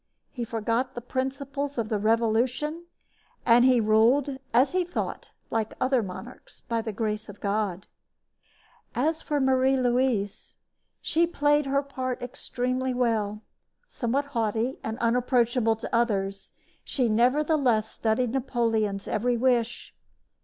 He forgot the principles of the Revolution, and he ruled, as he thought, like other monarchs, by the grace of God. As for Marie Louise, she played her part extremely well. Somewhat haughty and unapproachable to others, she nevertheless studied Napoleon's every wish.